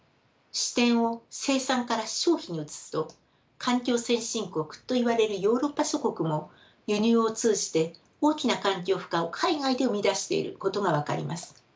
視点を生産から消費に移すと環境先進国といわれるヨーロッパ諸国も輸入を通じて大きな環境負荷を海外で生み出していることが分かります。